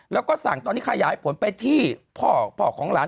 แล้วก็สั่งตอนนี้ขยายผลไปที่พ่อพ่อของหลาน